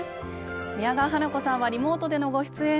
宮川花子さんはリモートでのご出演です。